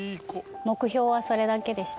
目標はそれだけでした。